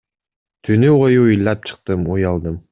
Түнү бою ыйлап чыктым, уялдым.